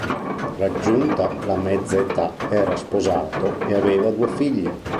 Raggiunta la mezza età era sposato e aveva due figlie.